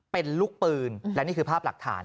เป็นลูกปืนและนี่คือภาพหลักฐาน